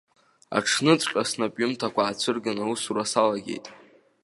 Аҽныҵәҟьа снапҩымҭақәа аацәырганы аусура салагеит.